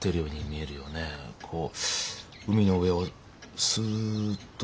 こう海の上をスッと。